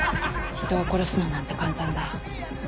「人を殺すのなんて簡単だ。